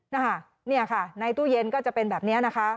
นะคะเนี่ยค่ะในตู้เย็นก็จะเป็นแบบนี้นะคะ